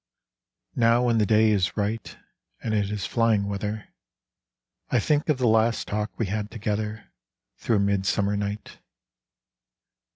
Now when the day is right, And it is flying weather, I think of the last talk we had together Through a midsummer night.